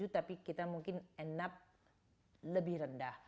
tapi kita mungkin end up lebih rendah